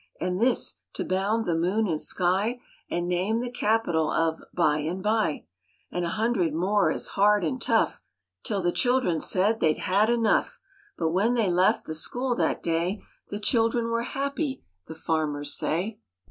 And this, to bound the moon and sky, And name the capital of by and by; And a hundred more as hard and tough, Till the children said they had enough; But when they left the school that day The children were happy, the farmers say.